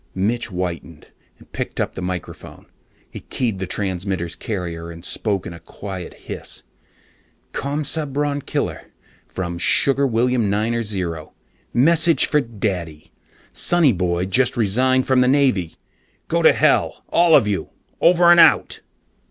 Mitch whitened and picked up the microphone. He keyed the transmitter's carrier and spoke in a quiet hiss. "Commsubron Killer from Sugar William Niner Zero. Message for Daddy. Sonnyboy just resigned from the Navy. Go to hell, all of you! Over and out!"